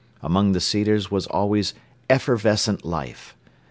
Among the cedars was always effervescent life.